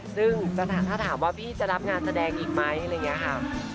ซึ่งถ้าถามว่าพี่จะรับงานแสดงอีกไหมอะไรอย่างนี้ค่ะ